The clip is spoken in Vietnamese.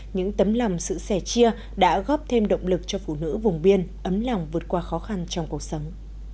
những tấm lòng sự sẻ chia đã góp thêm động lực cho phụ nữ vùng biên ấm lòng vượt qua khó khăn trong cuộc sống